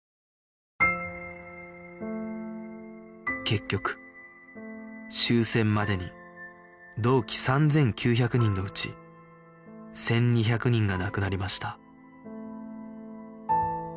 結局終戦までに同期３９００人のうち１２００人が亡くなりました